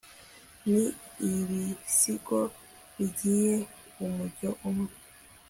ni ibisigo bigiye umujyo umwe